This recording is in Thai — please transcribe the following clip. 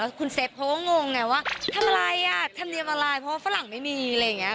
คุณเซฟเขาก็งงไงว่าทำอะไรอ่ะธรรมเนียมอะไรเพราะว่าฝรั่งไม่มีอะไรอย่างนี้